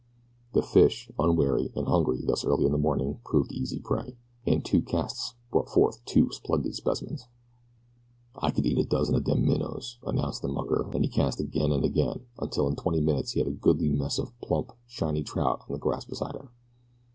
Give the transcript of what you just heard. The fish, unwary, and hungry thus early in the morning proved easy prey, and two casts brought forth two splendid specimens. "I could eat a dozen of dem minnows," announced the mucker, and he cast again and again, until in twenty minutes he had a goodly mess of plump, shiny trout on the grass beside him.